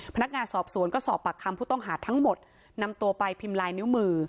พนักงานสอบสวนก็สอบปากคำผู้ต้องหาทั้งหมดนำตัวไปพิมพ์ลายนิ้วมือ